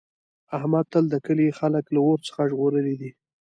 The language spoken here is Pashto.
احمد تل د کلي خلک له اور څخه ژغورلي دي.